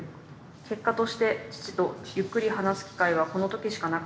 結果として父とゆっくり話す機会はこの時しかなかった。